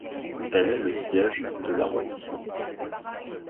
Elle est le siège de l'arrondissement.